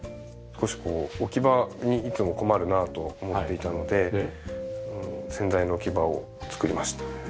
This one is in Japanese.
少し置き場にいつも困るなと思っていたので洗剤の置き場を作りました。